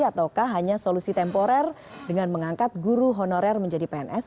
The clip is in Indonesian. ataukah hanya solusi temporer dengan mengangkat guru honorer menjadi pns